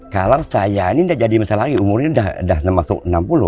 kalau saya ini sudah jadi masalah lagi umurnya sudah masuk enam puluh